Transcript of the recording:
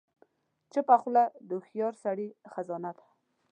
چپه خوله، د هوښیار سړي خزانه ده.